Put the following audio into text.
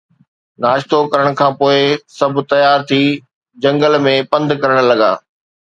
ناشتو ڪرڻ کان پوءِ سڀ تيار ٿي جنگل ۾ پنڌ ڪرڻ لڳا